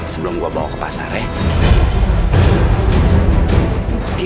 sebelum gue bawa ke pasarnya